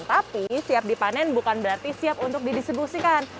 tapi siap dipanen bukan berarti siap untuk didistribusikan